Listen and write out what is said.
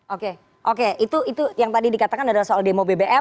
oke oke itu yang tadi dikatakan adalah soal demo bbm